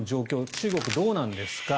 中国はどうなんですか。